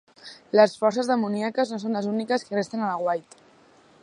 Les forces demoníaques no són les úniques que resten a l'aguait.